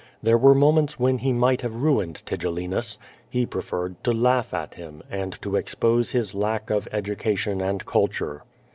There were moments when he might have ruined Tigellinus. lie prefen^ed to laugh at him, and to expose his lack of education and culture.